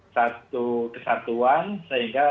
satu kesatuan sehingga